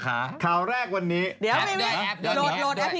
ข่าวแรกวันนี้